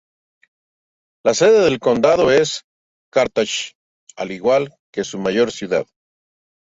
La sede del condado es Carthage, al igual que su mayor ciudad.